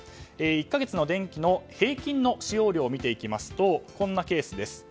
１か月の電気の平均使用量を見ていきますとこんなケースです。